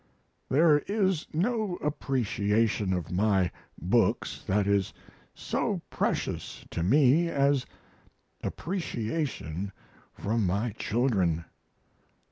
There is no appreciation of my books that is so precious to me as appreciation from my children.